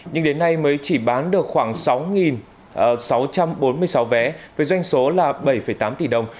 nhưng đến nay mới chỉ bán được khoảng sáu sáu trăm bốn mươi sáu vé với doanh số là bảy tám tỷ đồng